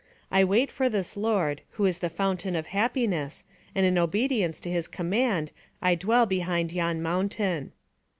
I wait for this Lord, who is the Fountain of Happiness, and in obedience to his command I dwell behind yon mountain."